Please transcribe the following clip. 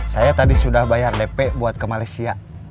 saya tadi sudah bayar dp buat ke malaysia